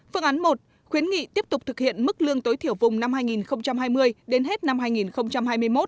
phương án một khuyến nghị tiếp tục thực hiện mức lương tối thiểu vùng năm hai nghìn hai mươi đến hết năm hai nghìn hai mươi một